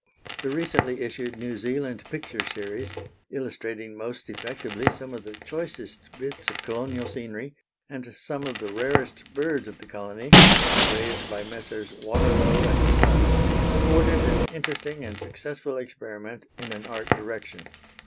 The recently issued New Zealand picture series, illustrating most effectively some of the choicest bits of colonial scenery, and some of the rarest birds of the colony, engraved by Messrs. Waterlow and Sons, afforded an interesting and successful experiment in an art direction.